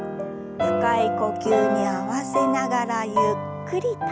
深い呼吸に合わせながらゆっくりと。